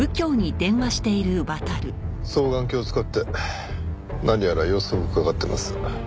双眼鏡を使って何やら様子をうかがってます。